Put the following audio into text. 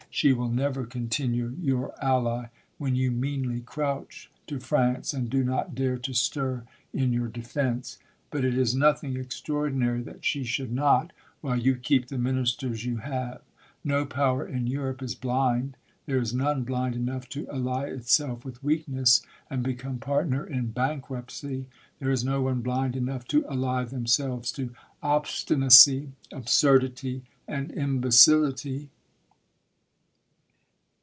She will never continue your ally, when you meanly crouch to France, and do not dare to stir in your defence ! But it is nothing extraordinary that she should not, while vou keep the ministers you hav ' THE COLUMBIAN ORATOR. 175 have. No power in Europe is blind ; there is none blind enough to ally itself with weakness, and be «ome partner in bankruptcy; there is no one blind enough to ally themselves to obstinacy, absurdity, and imbecility.